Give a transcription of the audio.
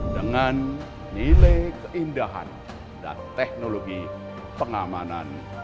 dengan nilai keindahan dan teknologi pengamanan